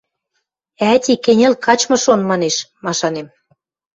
«Ӓти, кӹньӹл, качмы шон», — манеш, машанем.